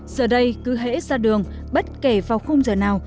giờ đây cứ hãy ra đường bất kể vào khung giờ nào